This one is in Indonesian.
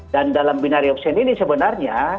dan dalam binari obscen ini sebenarnya